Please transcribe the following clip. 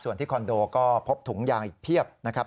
ส่วนที่คอนโดก็พบถุงยางอีกเพียบนะครับ